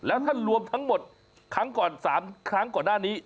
แล้วถ้ารวมทั้งหมดครั้งก่อน๓ครั้งก่อนหน้านี้